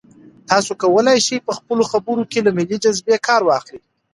تاسي کولای شئ په خپلو خبرو کې له ملي جذبې کار واخلئ.